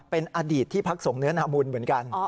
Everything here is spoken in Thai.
เป็นอดีตที่พักส่งเนื้อนาบุญเหมือนกัน